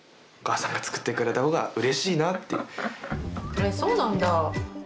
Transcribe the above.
えそうなんだ。